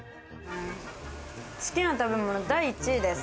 好きな食べ物第１位です。